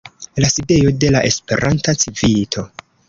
la sidejo de la Esperanta Civito.